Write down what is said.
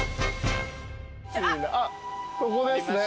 あっここですね。